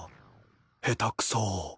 下手くそぉ。